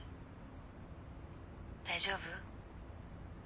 大丈夫？